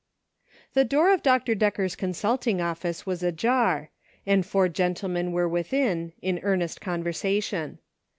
THE door of Dr. Decker's consulting office was ajar, and four gentlemen were within in earnest conversation.